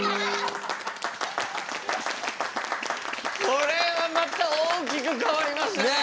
これはまた大きく変わりましたね。